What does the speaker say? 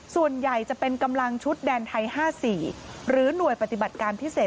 ส่วนใหญ่จะเป็นกำลังชุดแดนไทย๕๔หรือหน่วยปฏิบัติการพิเศษ